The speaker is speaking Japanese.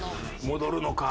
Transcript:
戻るのか？